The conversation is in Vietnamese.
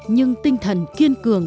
nhưng tinh thần kiên cường